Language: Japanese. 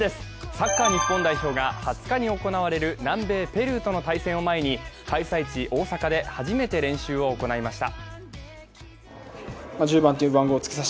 サッカー日本代表が２０日に行われる南米ペルーとの対戦を前に開催地・大阪で初めて練習を行いました。